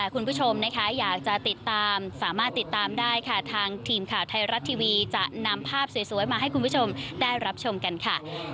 คุณผู้ชมนะคะอยากจะติดตามสามารถติดตามได้ค่ะทางทีมข่าวไทยรัฐทีวีจะนำภาพสวยมาให้คุณผู้ชมได้รับชมกันค่ะ